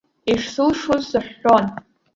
Ишсылшоз сыҳәҳәон.